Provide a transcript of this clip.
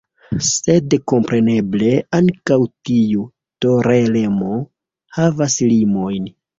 Sed kompreneble ankaŭ tiu toleremo havas limojn.